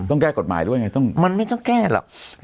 ต้องแก้กฎหมายหรือเปล่ามันไม่ต้องแก้หรอก